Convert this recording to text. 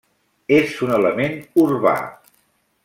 És un element urbà.